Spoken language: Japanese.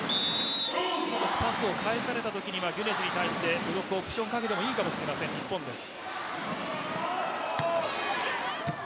パスを返されたときはギュネシュに対してオプションをかけてもいいかもしれない日本です。